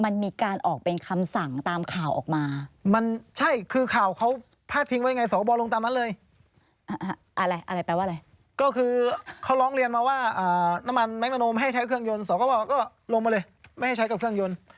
ลงมาเลยไม่ให้ใช้เครื่องยนต์